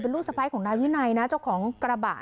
เป็นลูกสไพรส์ของนายวินัยเจ้าของกระบะ